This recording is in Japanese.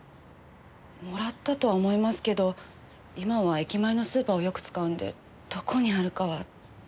もらったとは思いますけど今は駅前のスーパーをよく使うのでどこにあるかは。